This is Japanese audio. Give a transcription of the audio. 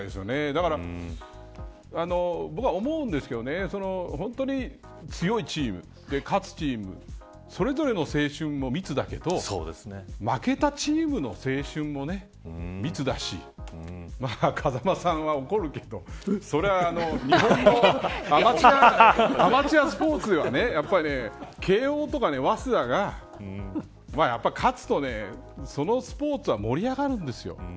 だから僕は思うんですけど本当に強いチーム、勝つチームそれぞれの青春も密だけど負けたチームの青春も密だし風間さんは怒るけどそれは日本のアマチュアスポーツでは慶応とか早稲田がやっぱり勝つとそのスポーツは盛り上がるんですよ。